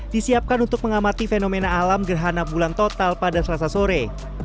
disiapkan untuk mengamati fenomena alam gerhana bulan total pada selasa sore